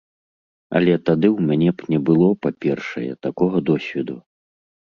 Але тады ў мяне б не было, па-першае, такога досведу.